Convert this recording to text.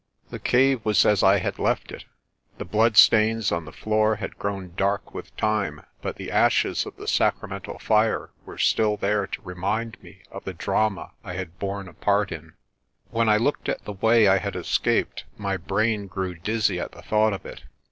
The cave was as I had left it. The bloodstains on the floor had grown dark with time but the ashes of the sacramental fire were still there to remind me of the drama I had borne a part in. When I looked at the way I had escaped my brain grew dizzy at the thought of it.